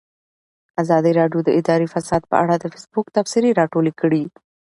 ازادي راډیو د اداري فساد په اړه د فیسبوک تبصرې راټولې کړي.